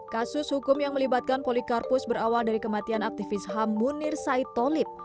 kasus hukum yang melibatkan polikarpus berawal dari kematian aktivis ham munir said tolib